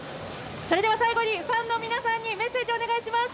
それでは最後にファンの皆さんにメッセージをお願いします。